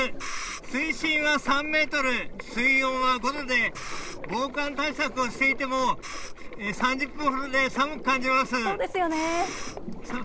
水深は３メートル、水温は５度で、防寒対策をしていても、３０分ほどで寒く感じます。